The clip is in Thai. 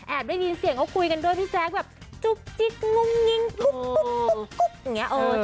แอบได้ยินเสียงเขากลุยกันด้วยพี่แซคแบบจุ๊กจริ๊กงุ้มนิงคุก